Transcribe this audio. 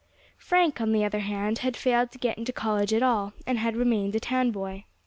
Frank, on the other hand, had failed to get into College at all, and had remained a town boy.